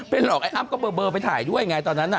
เป็นหรอกไอ้อ้ำก็เบอร์ไปถ่ายด้วยไงตอนนั้นน่ะ